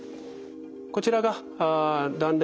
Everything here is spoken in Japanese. こちらが断裂。